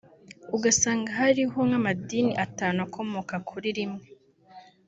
ugasanga hariho nk’amadini atanu akomoka kuri rimwe